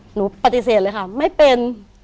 หนูปฏิเสธเลยค่ะไม่เป็น